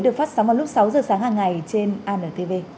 được phát sóng vào lúc sáu h sáng hàng ngày trên an tv